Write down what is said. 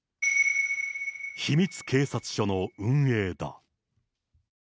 秘密警察署の運営だ。